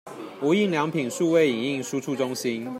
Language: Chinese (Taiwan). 無印良品數位影印輸出中心